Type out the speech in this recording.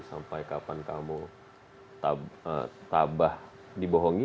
sampai kapan kamu tabah dibohongi